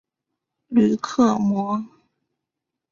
吕克莫。